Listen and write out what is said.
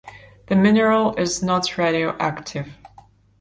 The mineral is not radioactive.